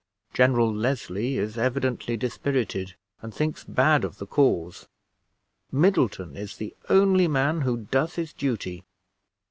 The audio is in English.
General Leslie is evidently dispirited, and thinks bad of the cause. Middleton is the only man who does his duty.